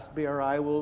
seperti di masa lalu